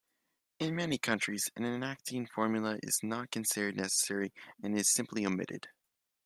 In many countries, an enacting formula is not considered necessary and is simply omitted.